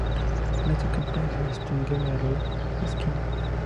En esta campaña se distinguió el orador Esquines.